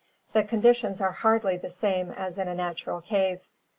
The condi tions are hardly the same as in a natural cave.